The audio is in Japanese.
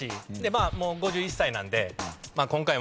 まあもう５１歳なんで。